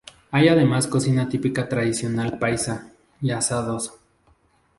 Hay además cocina típica tradicional paisa, y asados.